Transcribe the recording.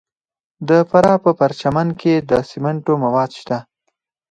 د فراه په پرچمن کې د سمنټو مواد شته.